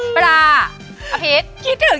ปราอภิกษณ์